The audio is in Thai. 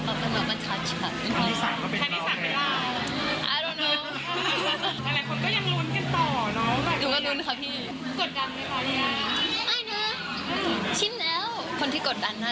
ต้องฝากกันดีกว่า